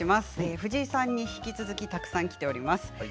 藤井さんにたくさん来ております。